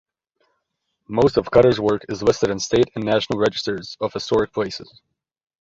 Most of Cutter's work is listed in State and National Registers of Historic Places.